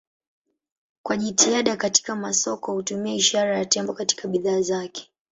Kwa jitihada katika masoko hutumia ishara ya tembo katika bidhaa zake.